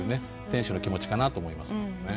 店主の気持ちかなと思いますけどね。